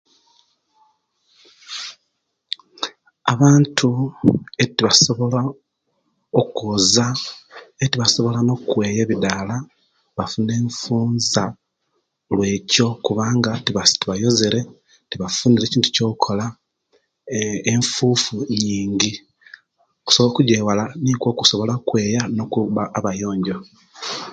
Abantu etibasobola okwoza etibasobola nokweya ebidala bafuna enfunza kuluwekyo kubanga tibayozere tibafunire ekintu kiyokola enfufu yinji okusobola okujewala nokwo okusobola okweya nokuba abayonjo